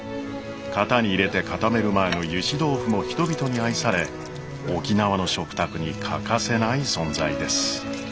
型に入れて固める前のゆし豆腐も人々に愛され沖縄の食卓に欠かせない存在です。